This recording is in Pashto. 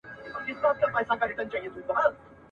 خیال چي مي سندري شر نګولې اوس یې نه لرم !.